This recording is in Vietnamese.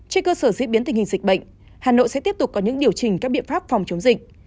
trên cơ sở diễn biến tình hình dịch bệnh hà nội sẽ tiếp tục có những điều chỉnh các biện pháp phòng chống dịch